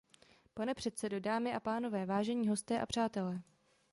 Pane předsedo, dámy a pánové, vážení hosté a přátelé.